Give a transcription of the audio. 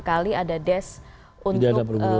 kali ada des untuk